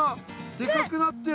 でかくなってる！